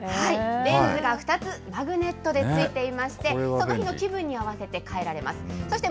レンズが２つ、マグネットでついていまして、その日の気分に合わせてかえられます。